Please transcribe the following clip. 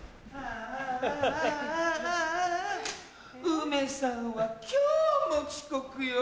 ウメさんは今日も遅刻よ